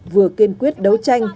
vừa kiên quyết đấu tranh